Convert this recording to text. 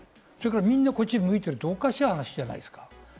みんな、こっちに向いてるっておかしい話じゃないですか。